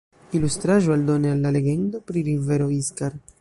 Ilustraĵo aldone al la legendo pri rivero Iskar.